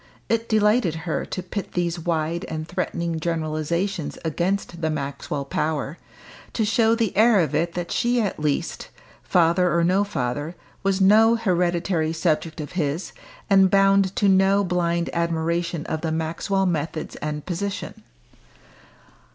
It delighted her to pit these wide and threatening generalisations against the Maxwell power to show the heir of it that she at least father or no father was no hereditary subject of his, and bound to no blind admiration of the Maxwell methods and position.